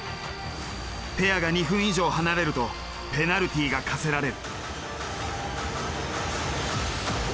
ペアが２分以上離れるとペナルティーが科せられる。